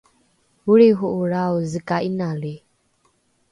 olriho’olrao zega inali